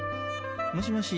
もしもし